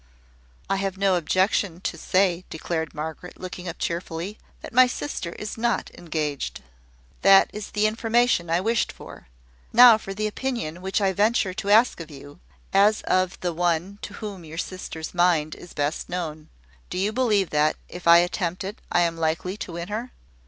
"I have no objection to say," declared Margaret, looking up cheerfully, "that my sister is not engaged." "That is the information I wished for. Now for the opinion which I venture to ask of you, as of the one to whom your sister's mind is best known. Do you believe that, if I attempt it, I am likely to win her?"